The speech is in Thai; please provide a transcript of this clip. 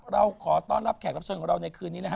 เราขอต้อนรับแขกรับเชิญของเราในคืนนี้นะฮะ